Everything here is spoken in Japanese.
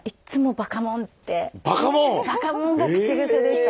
ばかもんが口癖でした。